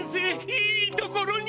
いいところに！